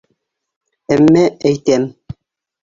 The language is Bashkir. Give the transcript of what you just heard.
Әммә, әйтәм.